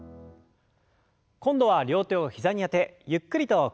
今度は両手を膝にあてゆっくりと屈伸の運動です。